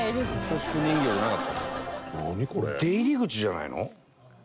出入り口じゃないの？